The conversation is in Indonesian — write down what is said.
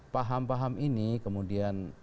paham paham ini kemudian